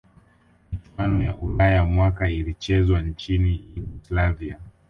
michuano ya ulaya mwaka ilichezwa nchini yugoslavia